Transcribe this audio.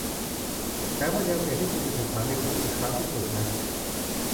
แถมมันยังเสี่ยงที่คุณจะถูกขังในคุกอีกครั้งที่สุดนะ